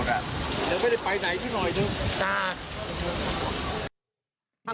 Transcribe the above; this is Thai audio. จ้ะ